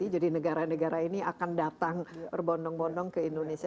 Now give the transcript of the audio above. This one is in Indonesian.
jadi negara negara ini akan datang berbondong bondong ke indonesia